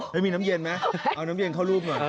แล้วมีน้ำเย็นไหมเอาน้ำเย็นเข้ารูปหน่อย